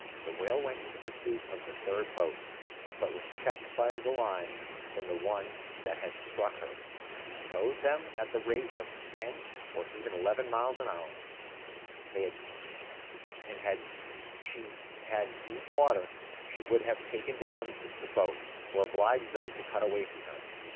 The whale went in pursuit of the third boat, but was checked by the line from the one that had struck her: she towed them at the rate of ten or eleven miles an hour: and had she had deep water, would have taken the boat down, or obliged them to cut away from her.